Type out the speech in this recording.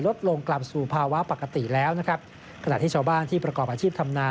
ลดลงกลับสู่ภาวะปกติแล้วนะครับขณะที่ชาวบ้านที่ประกอบอาชีพธรรมนา